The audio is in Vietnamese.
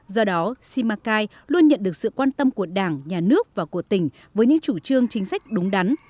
do đó simacai luôn nhận được sự quan tâm của đảng nhà nước và của tỉnh với những chủ trương chính sách đúng đắn